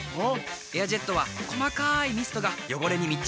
「エアジェット」は細かいミストが汚れに密着。